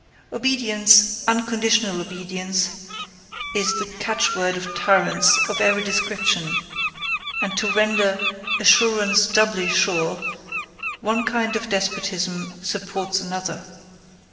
Obedience, unconditional obedience, is the catch word of tyrants of every description, and to render "assurance doubly sure," one kind of despotism supports another.